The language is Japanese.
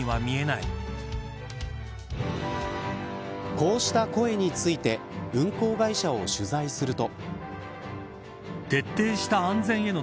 こうした声について運航会社を取材すると。